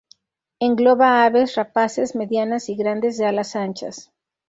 Engloba aves rapaces medianas y grandes de alas anchas.